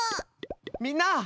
みんな！